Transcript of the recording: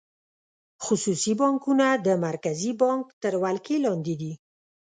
خصوصي بانکونه د مرکزي بانک تر ولکې لاندې دي.